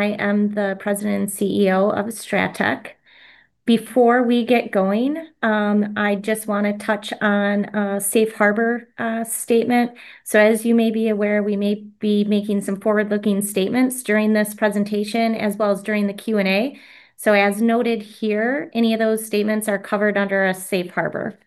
I am the President and CEO of Strattec. Before we get going, I just wanna touch on a safe harbor statement. As you may be aware, we may be making some forward-looking statements during this presentation, as well as during the Q&A. As noted here, any of those statements are covered under a safe harbor.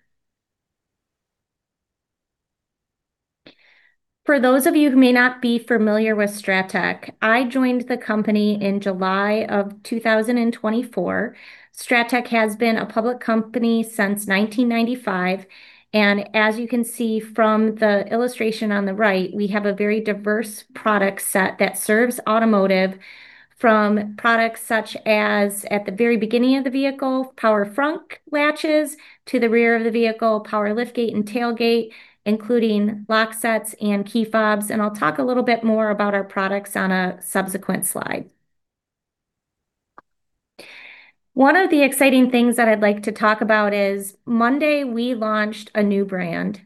For those of you who may not be familiar with Strattec, I joined the company in July of 2024. Strattec has been a public company since 1995, and as you can see from the illustration on the right, we have a very diverse product set that serves automotive from products such as, at the very beginning of the vehicle, power frunk latches, to the rear of the vehicle, power lift gate and tailgate, including lock sets and key fobs. I'll talk a little bit more about our products on a subsequent slide. One of the exciting things that I'd like to talk about is, Monday we launched a new brand,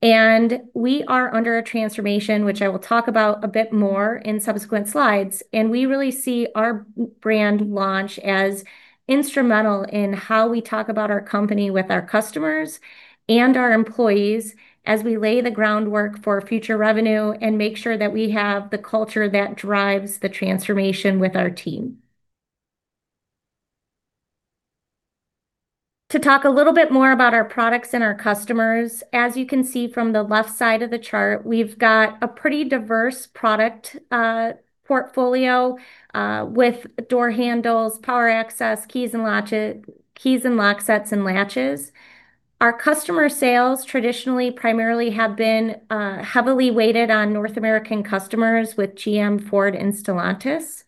and we are under a transformation, which I will talk about a bit more in subsequent slides. We really see our brand launch as instrumental in how we talk about our company with our customers and our employees as we lay the groundwork for future revenue and make sure that we have the culture that drives the transformation with our team. To talk a little bit more about our products and our customers, as you can see from the left side of the chart, we've got a pretty diverse product portfolio with door handles, Power Access, keys and lock sets and latches. Our customer sales traditionally primarily have been heavily weighted on North American customers with GM, Ford, and Stellantis.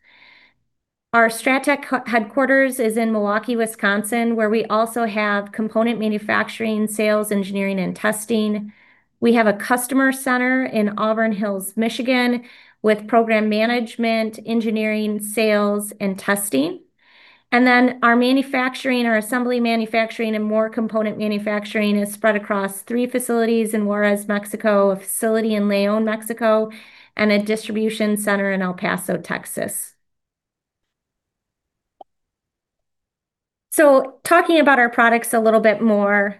Our Strattec headquarters is in Milwaukee, Wisconsin, where we also have component manufacturing, sales, engineering, and testing. We have a customer center in Auburn Hills, Michigan, with program management, engineering, sales, and testing. Our manufacturing or assembly manufacturing and more component manufacturing is spread across three facilities in Juárez, Mexico, a facility in León, Mexico, and a distribution center in El Paso, Texas. Talking about our products a little bit more,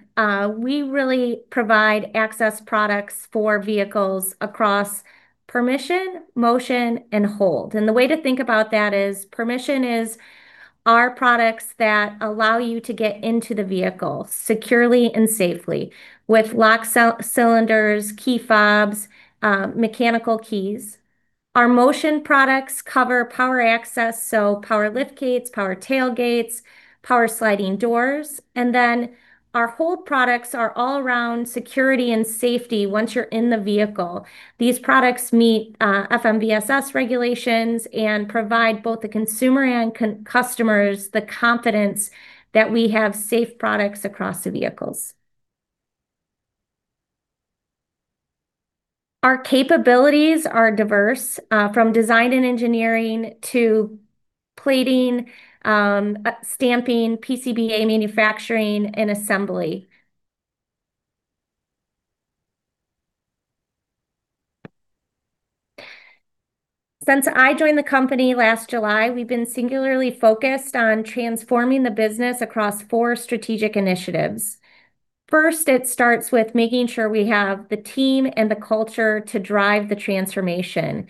we really provide access products for vehicles across permission, motion, and hold. The way to think about that is permission is our products that allow you to get into the vehicle securely and safely with lock cylinders, key fobs, mechanical keys. Our motion products cover power access, so power liftgates, power tailgates, power sliding doors. Our latch products are all around security and safety once you're in the vehicle. These products meet FMVSS regulations and provide both the consumer and customers the confidence that we have safe products across the vehicles. Our capabilities are diverse from design and engineering to plating, stamping, PCBA manufacturing, and assembly. Since I joined the company last July, we've been singularly focused on transforming the business across four strategic initiatives. First, it starts with making sure we have the team and the culture to drive the transformation.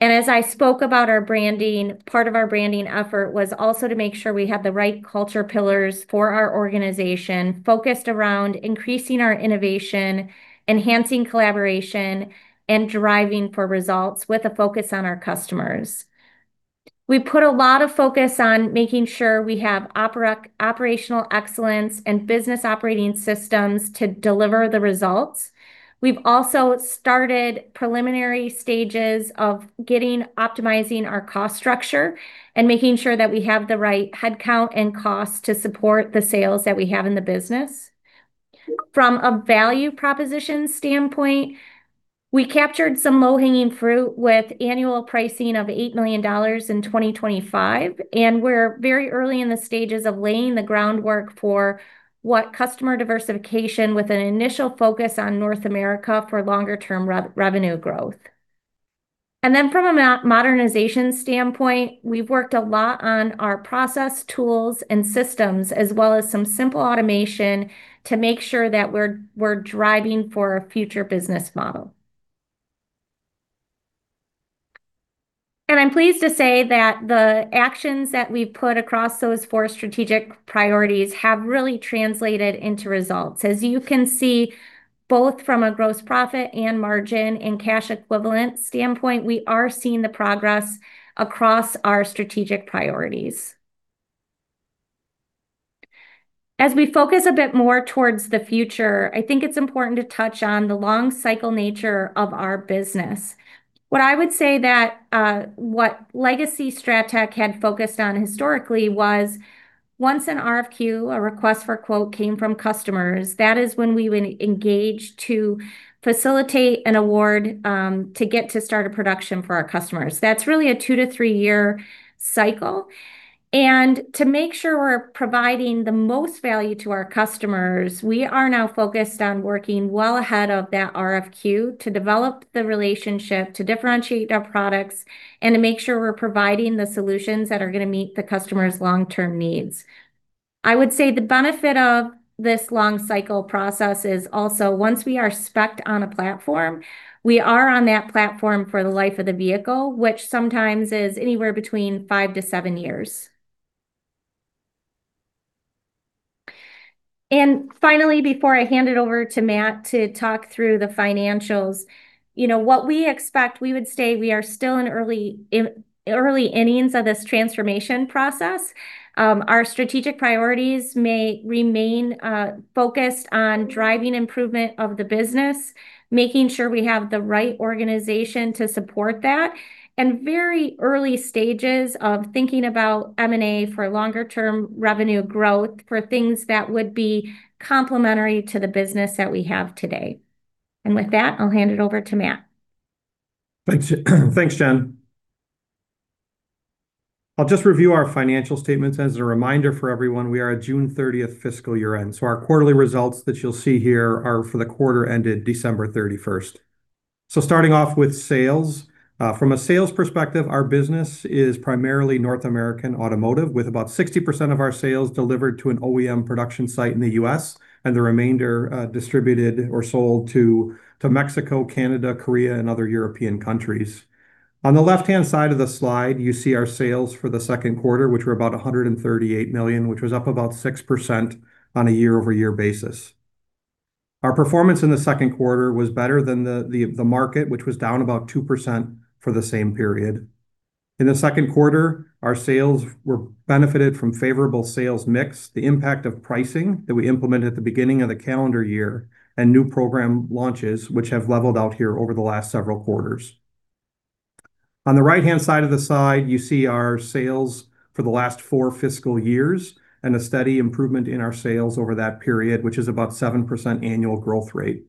As I spoke about our branding, part of our branding effort was also to make sure we have the right culture pillars for our organization, focused around increasing our innovation, enhancing collaboration, and driving for results with a focus on our customers. We put a lot of focus on making sure we have operational excellence and business operating systems to deliver the results. We've also started preliminary stages of getting optimizing our cost structure and making sure that we have the right headcount and cost to support the sales that we have in the business. From a value proposition standpoint, we captured some low-hanging fruit with annual pricing of $8 million in 2025, and we're very early in the stages of laying the groundwork for what customer diversification with an initial focus on North America for longer term revenue growth. From a modernization standpoint, we've worked a lot on our process, tools, and systems, as well as some simple automation to make sure that we're driving for a future business model. I'm pleased to say that the actions that we've put across those four strategic priorities have really translated into results. As you can see, both from a gross profit and margin and cash equivalent standpoint, we are seeing the progress across our strategic priorities. As we focus a bit more towards the future, I think it's important to touch on the long cycle nature of our business. What legacy Strattec had focused on historically was once an RFQ, a request for quote, came from customers, that is when we would engage to facilitate an award, to get to start a production for our customers. That's really a two to three year cycle. To make sure we're providing the most value to our customers, we are now focused on working well ahead of that RFQ to develop the relationship, to differentiate our products, and to make sure we're providing the solutions that are gonna meet the customer's long-term needs. I would say the benefit of this long cycle process is also once we are spec-ed on a platform, we are on that platform for the life of the vehicle, which sometimes is anywhere between five to seven years. Finally, before I hand it over to Matt to talk through the financials, you know what we expect, we would say we are still in early innings of this transformation process. Our strategic priorities may remain focused on driving improvement of the business, making sure we have the right organization to support that, and very early stages of thinking about M&A for longer term revenue growth, for things that would be complementary to the business that we have today. With that, I'll hand it over to Matthew. Thanks, thanks, Jen. I'll just review our financial statements. As a reminder for everyone, we are a June 30th fiscal year-end. Our quarterly results that you'll see here are for the quarter ended December 31st. Starting off with sales. From a sales perspective, our business is primarily North American automotive, with about 60% of our sales delivered to an OEM production site in the U.S. and the remainder distributed or sold to Mexico, Canada, Korea and other European countries. On the left-hand side of the slide, you see our sales for the second quarter, which were about $138 million, which was up about 6% on a year-over-year basis. Our performance in the second quarter was better than the market, which was down about 2% for the same period. In the second quarter, our sales were benefited from favorable sales mix, the impact of pricing that we implemented at the beginning of the calendar year, and new program launches, which have leveled out here over the last several quarters. On the right-hand side of the slide, you see our sales for the last four fiscal years and a steady improvement in our sales over that period, which is about 7% annual growth rate.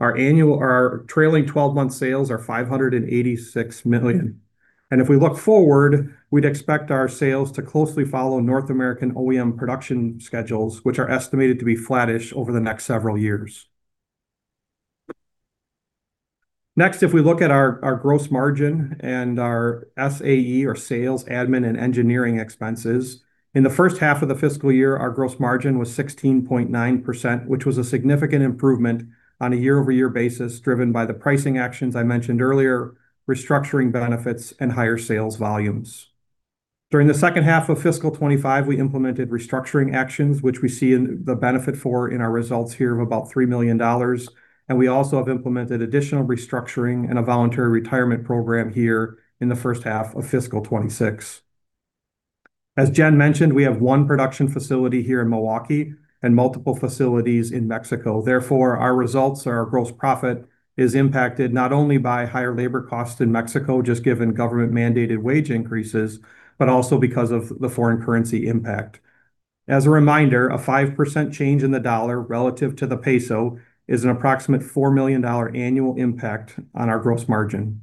Our trailing twelve-month sales are $586 million. If we look forward, we'd expect our sales to closely follow North American OEM production schedules, which are estimated to be flattish over the next several years. Next, if we look at our gross margin and our SAE or sales, admin, and engineering expenses. In the first half of the fiscal year, our gross margin was 16.9%, which was a significant improvement on a year-over-year basis, driven by the pricing actions I mentioned earlier, restructuring benefits, and higher sales volumes. During the second half of fiscal 2025, we implemented restructuring actions, which we see the benefit of about $3 million in our results here, and we also have implemented additional restructuring and a voluntary retirement program here in the first half of fiscal 2026. As Jen mentioned, we have one production facility here in Milwaukee and multiple facilities in Mexico. Therefore, our results or our gross profit is impacted not only by higher labor costs in Mexico, just given government-mandated wage increases, but also because of the foreign currency impact. As a reminder, a 5% change in the dollar relative to the peso is an approximate $4 million annual impact on our gross margin.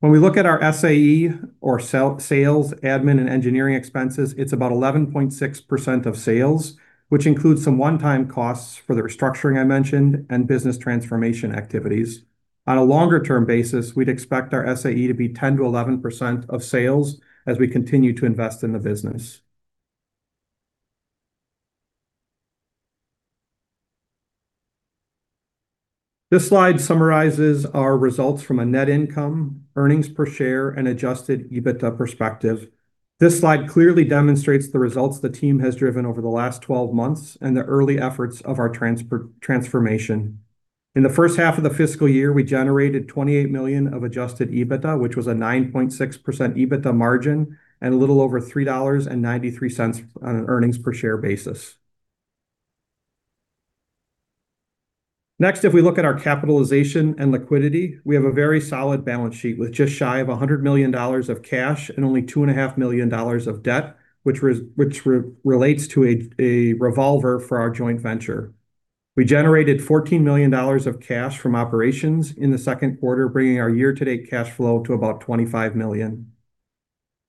When we look at our SAE or sales, admin, and engineering expenses, it's about 11.6% of sales, which includes some one-time costs for the restructuring I mentioned and business transformation activities. On a longer-term basis, we'd expect our SAE to be 10%-11% of sales as we continue to invest in the business. This slide summarizes our results from a net income, earnings per share, and adjusted EBITDA perspective. This slide clearly demonstrates the results the team has driven over the last 12 months and the early efforts of our transformation. In the first half of the fiscal year, we generated $28 million of adjusted EBITDA, which was a 9.6% EBITDA margin and a little over $3.93 on an earnings per share basis. Next, if we look at our capitalization and liquidity, we have a very solid balance sheet with just shy of $100 million of cash and only $2.5 million of debt, which relates to a revolver for our joint venture. We generated $14 million of cash from operations in the second quarter, bringing our year-to-date cash flow to about $25 million.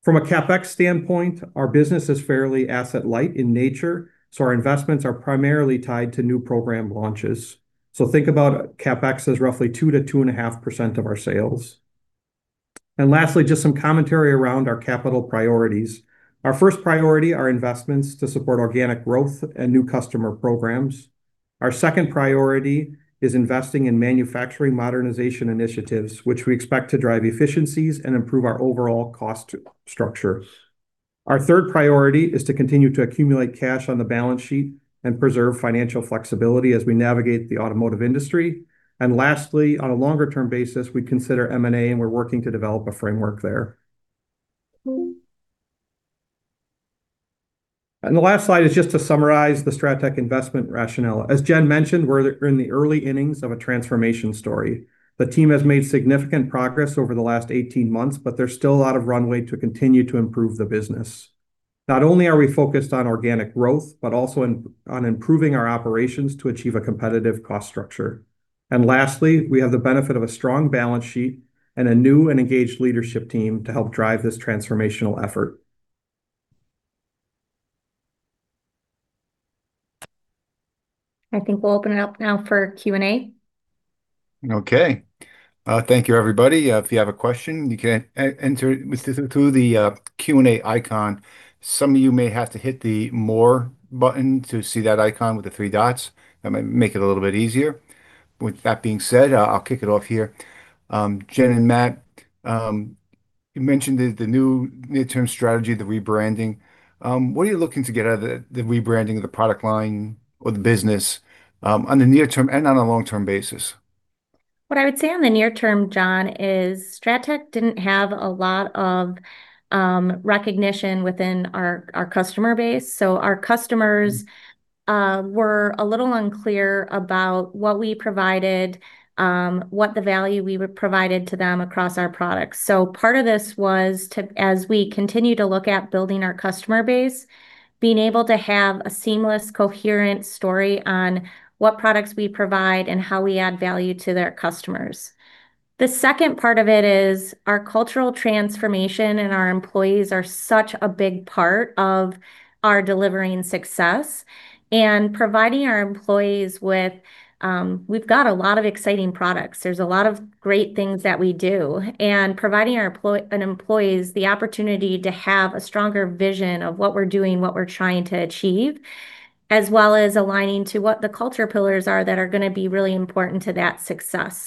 From a CapEx standpoint, our business is fairly asset light in nature, so our investments are primarily tied to new program launches. Think about CapEx as roughly 2%-2.5% of our sales. Lastly, just some commentary around our capital priorities. Our first priority are investments to support organic growth and new customer programs. Our second priority is investing in manufacturing modernization initiatives, which we expect to drive efficiencies and improve our overall cost structure. Our third priority is to continue to accumulate cash on the balance sheet and preserve financial flexibility as we navigate the automotive industry. Lastly, on a longer-term basis, we consider M&A, and we're working to develop a framework there. The last slide is just to summarize the Strattec investment rationale. As Jen mentioned, we're in the early innings of a transformation story. The team has made significant progress over the last 18 months, but there's still a lot of runway to continue to improve the business. Not only are we focused on organic growth, but also on improving our operations to achieve a competitive cost structure. Lastly, we have the benefit of a strong balance sheet and a new and engaged leadership team to help drive this transformational effort. I think we'll open it up now for Q&A. Okay. Thank you everybody. If you have a question, you can enter it through the Q&A icon. Some of you may have to hit the More button to see that icon with the three dots, that might make it a little bit easier. With that being said, I'll kick it off here. Jen and Matt, you mentioned the new near-term strategy, the rebranding. What are you looking to get out of the rebranding of the product line or the business, on the near term and on a long-term basis? What I would say on the near term, John, is Strattec didn't have a lot of recognition within our customer base. Our customers were a little unclear about what we provided, what the value we provided to them across our products. Part of this was to, as we continue to look at building our customer base, being able to have a seamless, coherent story on what products we provide and how we add value to their customers. The second part of it is our cultural transformation, and our employees are such a big part of our delivering success and providing our employees with. We've got a lot of exciting products. There's a lot of great things that we do, and providing our employees the opportunity to have a stronger vision of what we're doing, what we're trying to achieve, as well as aligning to what the culture pillars are that are gonna be really important to that success.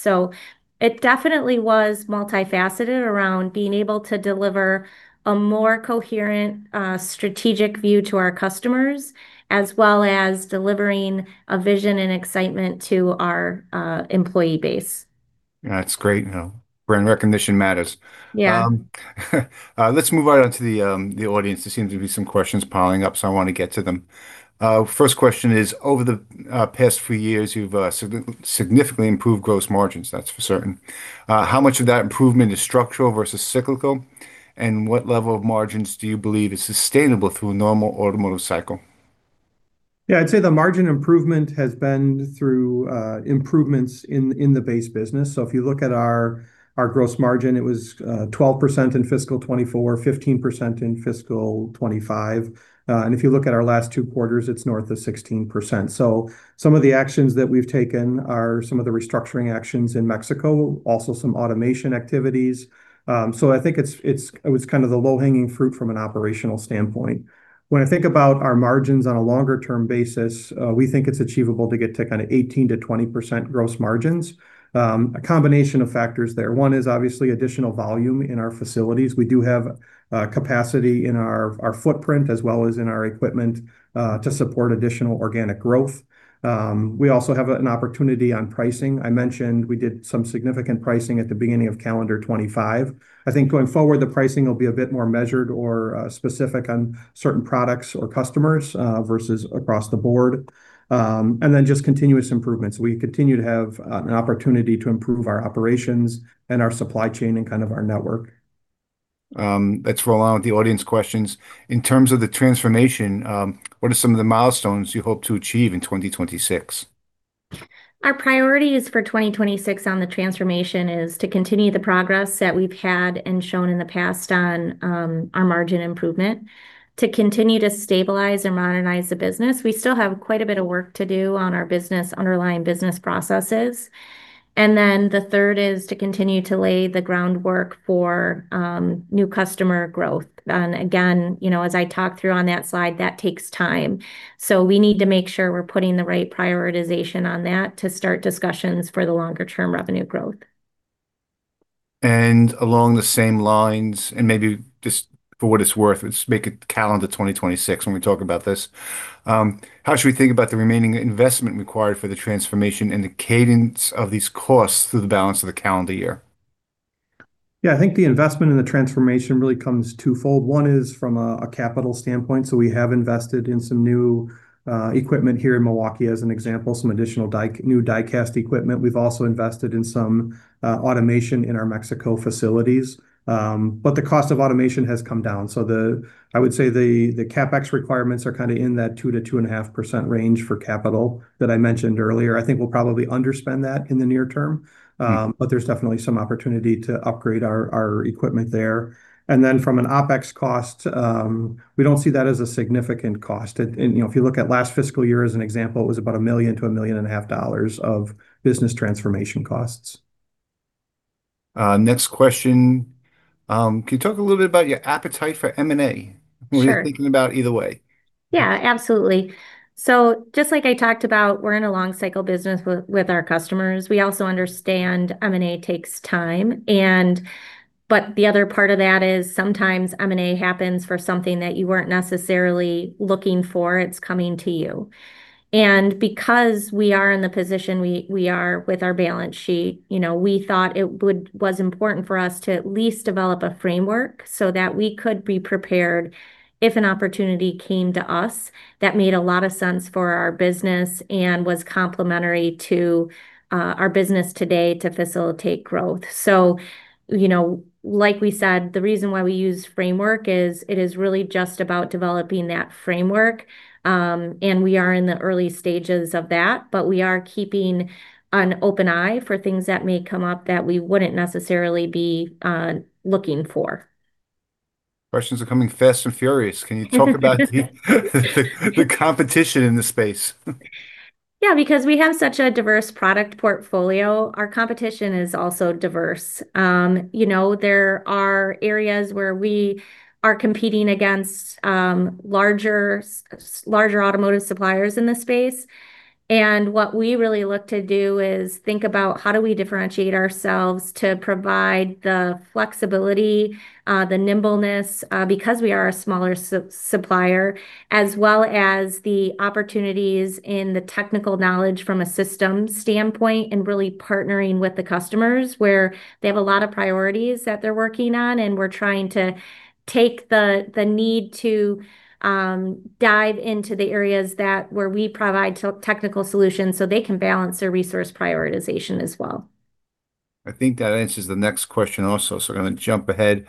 It definitely was multifaceted around being able to deliver a more coherent, strategic view to our customers, as well as delivering a vision and excitement to our employee base. That's great. You know, brand recognition matters. Yeah. Let's move right on to the audience. There seems to be some questions piling up, so I wanna get to them. First question is, "Over the past few years, you've significantly improved gross margins, that's for certain. How much of that improvement is structural versus cyclical, and what level of margins do you believe is sustainable through a normal automotive cycle? Yeah. I'd say the margin improvement has been through improvements in the base business. If you look at our gross margin, it was 12% in fiscal 2024, 15% in fiscal 2025. If you look at our last two quarters, it's north of 16%. Some of the actions that we've taken are some of the restructuring actions in Mexico, also some automation activities. I think it was kind of the low-hanging fruit from an operational standpoint. When I think about our margins on a longer term basis, we think it's achievable to get to kind of 18%-20% gross margins. A combination of factors there. One is obviously additional volume in our facilities. We do have capacity in our footprint as well as in our equipment to support additional organic growth. We also have an opportunity on pricing. I mentioned we did some significant pricing at the beginning of calendar 2025. I think going forward, the pricing will be a bit more measured or specific on certain products or customers versus across the board. Just continuous improvements. We continue to have an opportunity to improve our operations and our supply chain and kind of our network. Let's roll on with the audience questions. In terms of the transformation, what are some of the milestones you hope to achieve in 2026? Our priorities for 2026 on the transformation is to continue the progress that we've had and shown in the past on our margin improvement to continue to stabilize and modernize the business. We still have quite a bit of work to do on our business, underlying business processes. The third is to continue to lay the groundwork for new customer growth. Again, you know, as I talked through on that slide, that takes time, so we need to make sure we're putting the right prioritization on that to start discussions for the longer term revenue growth. Along the same lines, and maybe just for what it's worth, let's make it calendar 2026 when we talk about this, how should we think about the remaining investment required for the transformation and the cadence of these costs through the balance of the calendar year? Yeah. I think the investment in the transformation really comes twofold. One is from a capital standpoint, so we have invested in some new equipment here in Milwaukee, as an example, some additional new die cast equipment. We've also invested in some automation in our Mexico facilities. But the cost of automation has come down. I would say the CapEx requirements are kind of in that 2%-2.5% range for capital that I mentioned earlier. I think we'll probably underspend that in the near term. But there's definitely some opportunity to upgrade our equipment there. Then from an OpEx cost, we don't see that as a significant cost. You know, if you look at last fiscal year as an example, it was about $1 million-$1.5 million of business transformation costs. Next question. Can you talk a little bit about your appetite for M&A? Sure. What are you thinking about either way? Yeah, absolutely. Just like I talked about, we're in a long cycle business with our customers. We also understand M&A takes time. The other part of that is sometimes M&A happens for something that you weren't necessarily looking for, it's coming to you. Because we are in the position we are with our balance sheet, you know, we thought it was important for us to at least develop a framework so that we could be prepared if an opportunity came to us that made a lot of sense for our business and was complementary to our business today to facilitate growth. You know, like we said, the reason why we use framework is it is really just about developing that framework. We are in the early stages of that, but we are keeping an open eye for things that may come up that we wouldn't necessarily be looking for. Questions are coming fast and furious. Can you talk about the competition in this space? Yeah, because we have such a diverse product portfolio, our competition is also diverse. You know, there are areas where we are competing against larger automotive suppliers in the space, and what we really look to do is think about how do we differentiate ourselves to provide the flexibility, the nimbleness, because we are a smaller supplier, as well as the opportunities in the technical knowledge from a systems standpoint and really partnering with the customers, where they have a lot of priorities that they're working on, and we're trying to take the need to dive into the areas that, where we provide technical solutions so they can balance their resource prioritization as well. I think that answers the next question also, so we're gonna jump ahead.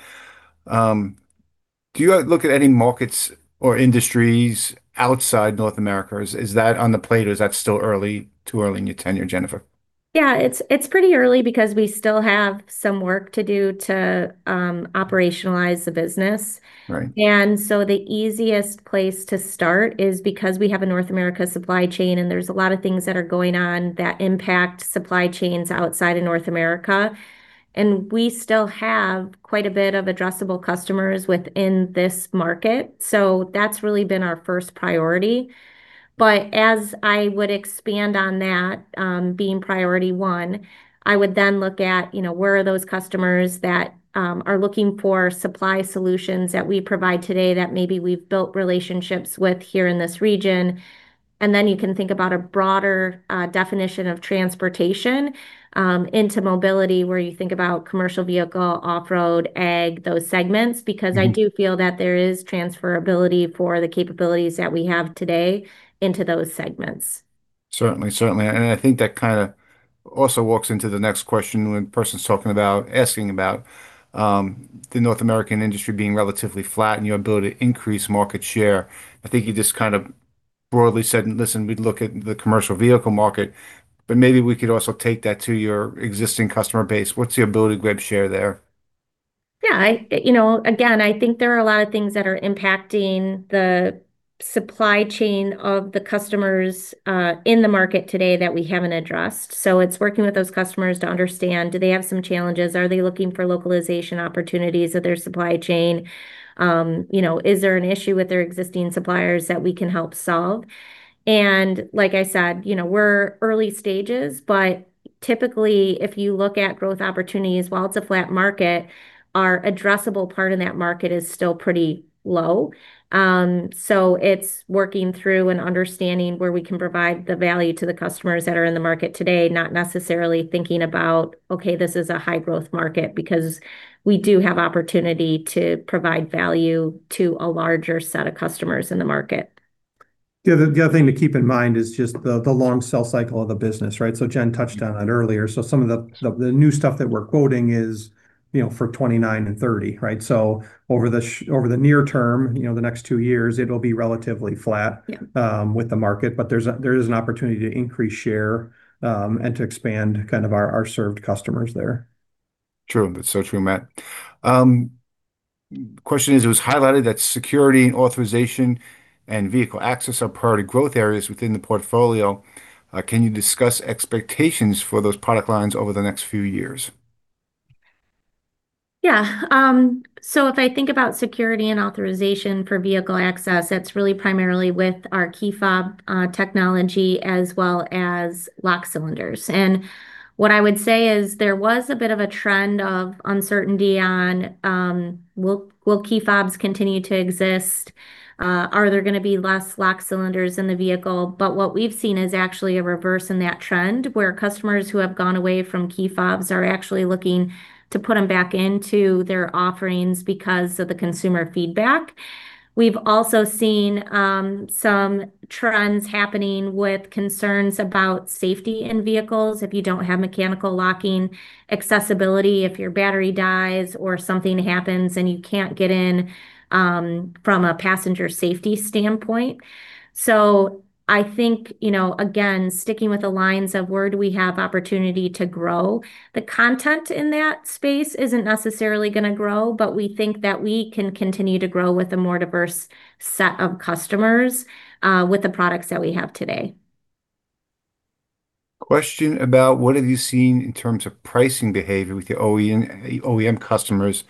Do you look at any markets or industries outside North America? Is that on the plate, or is that still early, too early in your tenure, Jennifer? Yeah, it's pretty early because we still have some work to do to operationalize the business. Right. The easiest place to start is because we have a North America supply chain, and there's a lot of things that are going on that impact supply chains outside of North America, and we still have quite a bit of addressable customers within this market. That's really been our first priority. As I would expand on that, being priority one, I would then look at, you know, where are those customers that, are looking for supply solutions that we provide today that maybe we've built relationships with here in this region. Then you can think about a broader, definition of transportation, into mobility where you think about commercial vehicle, off-road, ag, those segments. Mm-hmm Because I do feel that there is transferability for the capabilities that we have today into those segments. Certainly. I think that kind of also walks into the next question. One person's talking about, asking about, the North American industry being relatively flat and your ability to increase market share. I think you just kind of broadly said, "Listen, we'd look at the commercial vehicle market", but maybe we could also take that to your existing customer base. What's the ability to grab share there? Yeah, you know, again, I think there are a lot of things that are impacting the supply chain of the customers in the market today that we haven't addressed. It's working with those customers to understand, do they have some challenges? Are they looking for localization opportunities of their supply chain? You know, is there an issue with their existing suppliers that we can help solve? Like I said, you know, we're early stages, but typically, if you look at growth opportunities, while it's a flat market, our addressable part in that market is still pretty low. It's working through and understanding where we can provide the value to the customers that are in the market today, not necessarily thinking about, okay, this is a high-growth market, because we do have opportunity to provide value to a larger set of customers in the market. The other thing to keep in mind is just the long sales cycle of the business, right? Jennifer touched on it earlier. Some of the new stuff that we're quoting is, you know, for 2029 and 2030, right? Over the near term, you know, the next two years, it'll be relatively flat. Yeah with the market, but there is an opportunity to increase share and to expand kind of our served customers there. True. That's so true, Matt. Question is, it was highlighted that security and authorization and vehicle access are priority growth areas within the portfolio. Can you discuss expectations for those product lines over the next few years? Yeah. If I think about security and authorization for vehicle access, that's really primarily with our key fob technology as well as lock cylinders. What I would say is there was a bit of a trend of uncertainty on will key fobs continue to exist? Are there gonna be less lock cylinders in the vehicle? What we've seen is actually a reverse in that trend, where customers who have gone away from key fobs are actually looking to put them back into their offerings because of the consumer feedback. We've also seen some trends happening with concerns about safety in vehicles. If you don't have mechanical locking accessibility, if your battery dies, or if something happens and you can't get in, from a passenger safety standpoint. I think, you know, again, sticking with the lines of where do we have opportunity to grow, the content in that space isn't necessarily gonna grow, but we think that we can continue to grow with a more diverse set of customers, with the products that we have today. Question about what have you seen in terms of pricing behavior with your OE and OEM customers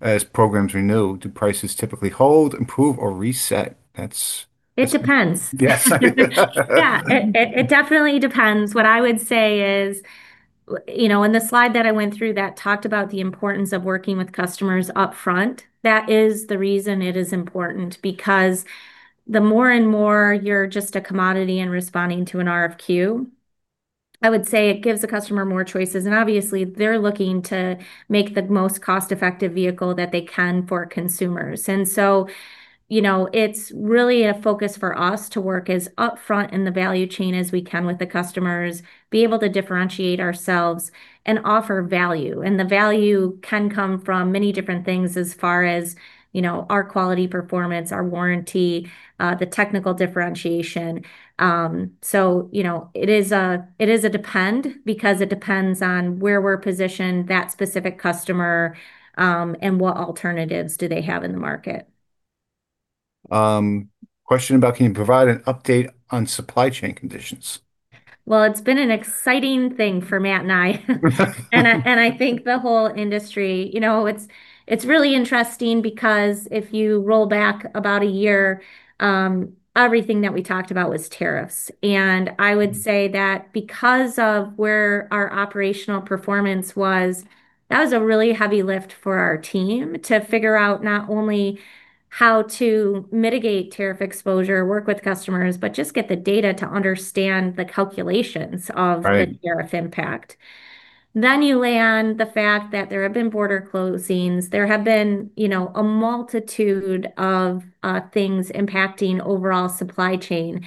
as programs renew. Do prices typically hold, improve, or reset? It depends. Yes. Yeah. It definitely depends. What I would say is, you know, in the slide that I went through that talked about the importance of working with customers up front, that is the reason it is important, because the more and more you're just a commodity and responding to an RFQ, I would say it gives the customer more choices, and obviously they're looking to make the most cost-effective vehicle that they can for consumers. You know, it's really a focus for us to work as up front in the value chain as we can with the customers, be able to differentiate ourselves, and offer value. The value can come from many different things as far as, you know, our quality performance, our warranty, the technical differentiation. You know, it depends on where we're positioned, that specific customer, and what alternatives do they have in the market. Question about can you provide an update on supply chain conditions? Well, it's been an exciting thing for Matt and I. I think the whole industry. You know, it's really interesting because if you roll back about a year, everything that we talked about was tariffs. I would say that because of where our operational performance was, that was a really heavy lift for our team to figure out not only how to mitigate tariff exposure, work with customers, but just get the data to understand the calculations of Right The tariff impact. You lay on the fact that there have been border closings, there have been, you know, a multitude of things impacting overall supply chain.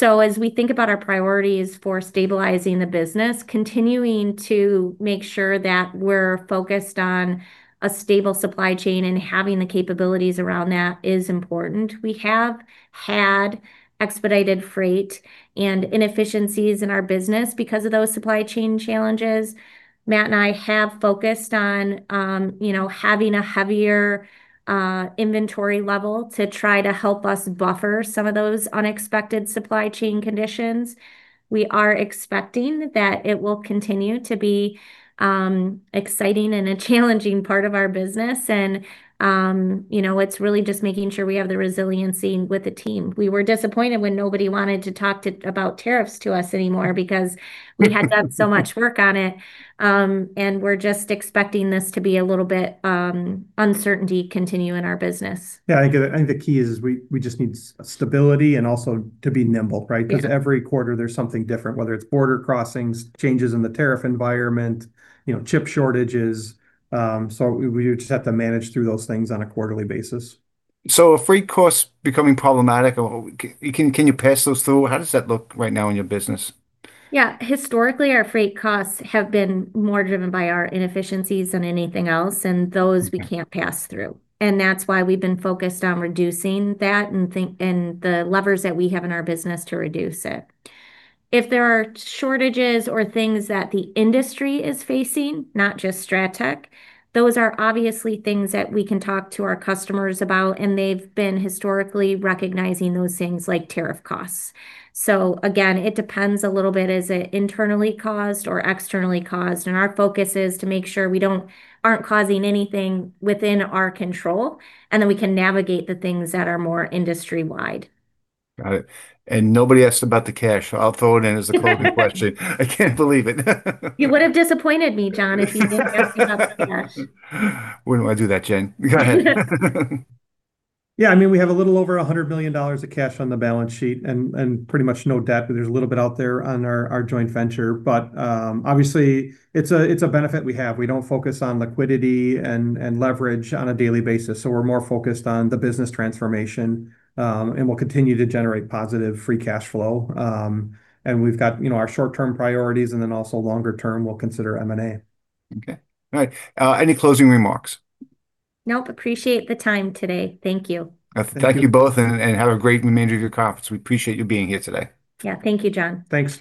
As we think about our priorities for stabilizing the business, continuing to make sure that we're focused on a stable supply chain and having the capabilities around that is important. We have had expedited freight and inefficiencies in our business because of those supply chain challenges. Matt and I have focused on, you know, having a heavier inventory level to try to help us buffer some of those unexpected supply chain conditions. We are expecting that it will continue to be exciting and a challenging part of our business, and, you know, it's really just making sure we have the resiliency with the team. We were disappointed when nobody wanted to talk about tariffs to us anymore because we had done so much work on it. We're just expecting this to be a little bit uncertainty continue in our business. Yeah. I think the key is we just need stability and also to be nimble, right? Yeah. 'Cause every quarter there's something different, whether it's border crossings, changes in the tariff environment, you know, chip shortages. We just have to manage through those things on a quarterly basis. Are freight costs becoming problematic or can you pass those through? How does that look right now in your business? Yeah. Historically, our freight costs have been more driven by our inefficiencies than anything else, and those we can't pass through. That's why we've been focused on reducing that and the levers that we have in our business to reduce it. If there are shortages or things that the industry is facing, not just Strattec, those are obviously things that we can talk to our customers about, and they've been historically recognizing those things like tariff costs. Again, it depends a little bit, is it internally caused or externally caused? Our focus is to make sure we aren't causing anything within our control, and then we can navigate the things that are more industry-wide. Got it. Nobody asked about the cash, so I'll throw it in as the closing question. I can't believe it. You would've disappointed me, John, if you didn't ask about the cash. Wouldn't want to do that, Jen. Go ahead. Yeah. I mean, we have a little over $100 million of cash on the balance sheet and pretty much no debt. There's a little bit out there on our joint venture, but obviously it's a benefit we have. We don't focus on liquidity and leverage on a daily basis, so we're more focused on the business transformation. We'll continue to generate positive free cash flow. We've got, you know, our short-term priorities, and then also longer term we'll consider M&A. Okay. All right. Any closing remarks? Nope. Appreciate the time today. Thank you. Thank you. Thank you both and have a great remainder of your conference. We appreciate you being here today. Yeah. Thank you, John. Thanks.